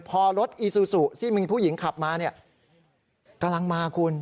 พอรถอีซูซูที่มีผู้หญิงขับมาเนี่ยกำลังมาคุณ